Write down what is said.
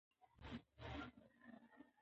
مېلې د خلکو ګډ ارزښتونه څرګندوي.